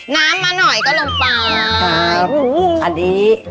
น้ามมันหน่อยลงไป